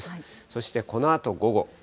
そして、このあと午後。